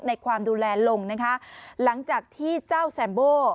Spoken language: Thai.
ความดูแลลงนะคะหลังจากที่เจ้าแซมโบ